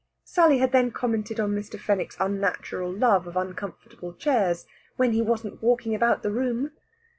Sally had then commented on Mr. Fenwick's unnatural love of uncomfortable chairs "when he wasn't walking about the room."